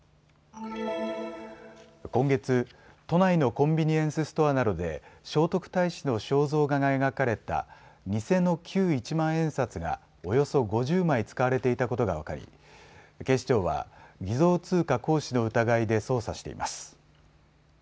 今月、都内のコンビニエンスストアなどで聖徳太子の肖像画が描かれた偽の旧一万円札がおよそ５０枚使われていたことが分かり警視庁は偽造通貨行使の疑いで捜査しています。